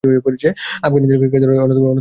Afghanistan cricket দলের অন্যতম সদস্য ছিলেন তিনি।